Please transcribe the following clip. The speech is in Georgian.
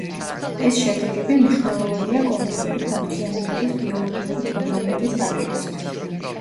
ეს შედეგები მნიშვნელოვანია კოგნიტური ფუნქციონირების ბიოლოგიური ფუნდამენტის გაგებისთვის.